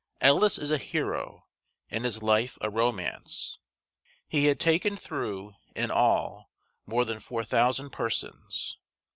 Ellis is a hero, and his life a romance. He had taken through, in all, more than four thousand persons.